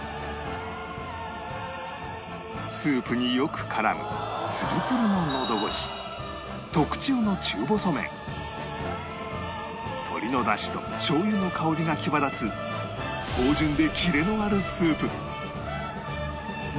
スープによく絡むツルツルののど越し鶏の出汁としょう油の香りが際立つ芳醇でキレのあるスープ